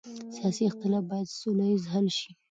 سیاسي اختلاف باید سوله ییز حل شي